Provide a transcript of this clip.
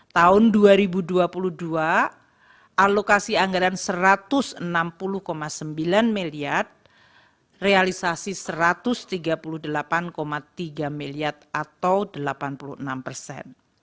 tahun dua ribu dua puluh dua alokasi anggaran rp satu ratus enam puluh sembilan miliar realisasi satu ratus tiga puluh delapan tiga miliar atau delapan puluh enam persen